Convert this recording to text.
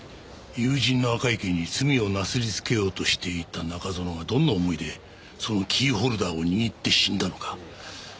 友人の赤池に罪をなすりつけようとしていた中園がどんな思いでそのキーホルダーを握って死んだのか